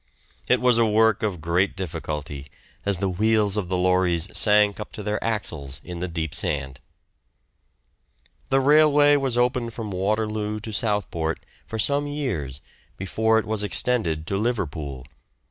It was a work of great difficulty, as the wheels of the lorries sank up to their axles in the deep sand. The railway was opened from Waterloo to Southport for some years before it was extended to Liverpool.